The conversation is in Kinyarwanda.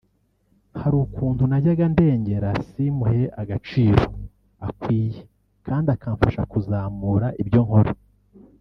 hari ukuntu najyaga ndengera simuhe agaciro akwiye kandi akamfasha kuzamura ibyo nkora”